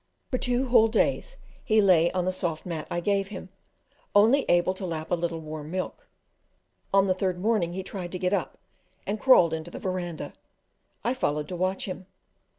For two whole days he lay on the soft mat I gave him, only able to lap a little warm milk; on the third morning he tried to get up, and crawled into the verandah; I followed to watch him.